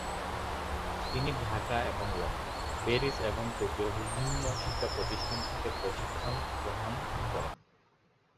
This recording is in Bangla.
তিনি ঢাকা এবং লন্ডন, প্যারিস এবং টোকিওর বিভিন্ন শিক্ষা প্রতিষ্ঠান থেকে প্রশিক্ষণ গ্রহণ করেন।